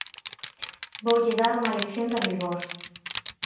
Voulle dar unha lección de rigor.